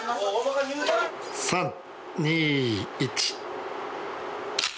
３２１。